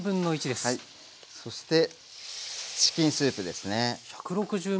そしてチキンスープですね。